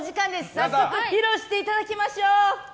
早速披露していただきましょう！